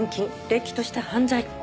れっきとした犯罪。